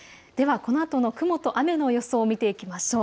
このあとの雲と雨の予想を見ていきましょう。